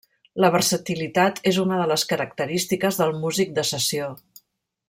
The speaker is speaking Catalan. La versatilitat és una de les característiques del músic de sessió.